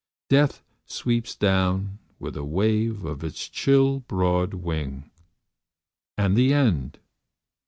Death sweeps down, with a wave of its chill broad wing. ... And the end!